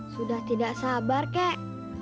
sudah tidak sabar kek